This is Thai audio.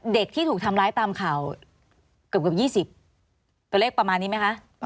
เด็กที่ถูกทำร้ายตามข่าวเกือบ๒๐ตัวเลขประมาณนี้ไหมคะ